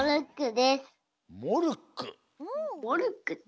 モルック？